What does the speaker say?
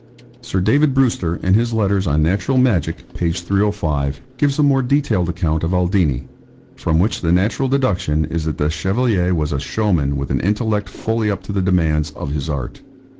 Sir David Brewster, in his Letters on Natural Magic, page 305, gives a more detailed account of Aldini, from which the natural deduction is that the Chevalier was a showman with an intellect fully up to the demands of his art.